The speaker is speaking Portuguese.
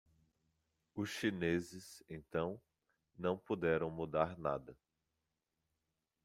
Os chineses, então, não puderam mudar nada.